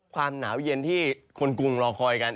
ความหนาวเย็นที่คนกรุงรอคอยกัน